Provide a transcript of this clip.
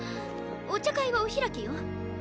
お茶会はお開きよ。